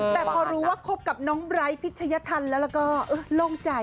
แต่พอรู้ว่าคบกับน้องไบร์ทพิชยธรรมแล้วแล้วก็โล่งใจ